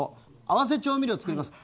合わせ調味料をつくります。